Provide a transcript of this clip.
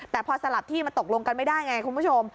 แต่พอสลับที่มันตกลงกันไม่ได้ไงคุณผู้ชม